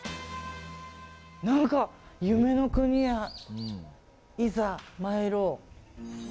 何か、夢の国へいざ参ろう。